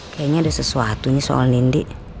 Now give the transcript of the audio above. kayaknya ada sesuatu nih soal nindi